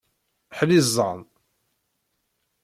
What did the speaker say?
Ḥliẓẓan!